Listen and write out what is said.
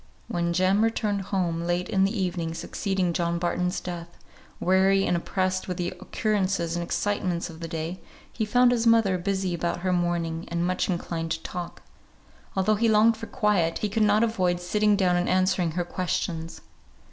When Jem returned home late in the evening succeeding John Barton's death, weary and oppressed with the occurrences and excitements of the day, he found his mother busy about her mourning, and much inclined to talk. Although he longed for quiet, he could not avoid sitting down and answering her questions.